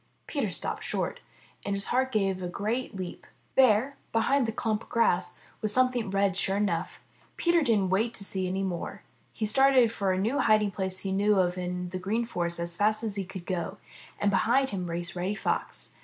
Peter stopped short, and his heart gave a great leap. There, behind the clump of grass, was some thing red, sure enough. Peter didn't wait to see more. He started for a hiding place he knew of in the Green Forest as fast as he could go, and behind him raced Reddy Fox.